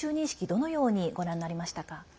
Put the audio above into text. どのようにご覧になりましたか？